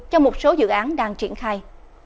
cho một số dự án đang triển khai